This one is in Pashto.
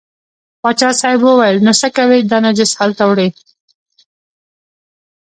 پاچا صاحب وویل نو څه کوې دا نجس هلته وړې.